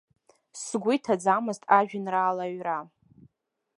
Сгәы иҭаӡамызт ажәеинраала аҩра.